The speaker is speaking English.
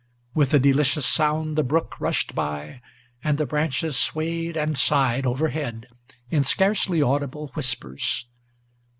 With a delicious sound the brook rushed by, and the branches Swayed and sighed overhead in scarcely audible whispers.